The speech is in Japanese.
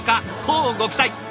乞うご期待！